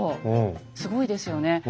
すごいですよね。